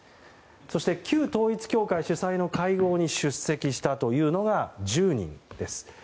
そして、旧統一教会主催の会合に出席したというのが１０人です。